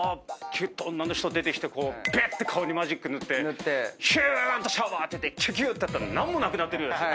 女の人出てきてベッ！って顔にマジック塗ってヒューンとシャワー当ててキュキュッてやったら何もなくなってるようなやつ。